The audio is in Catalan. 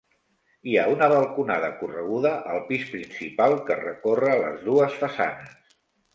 Hi ha una balconada correguda al pis principal que recorre les dues façanes.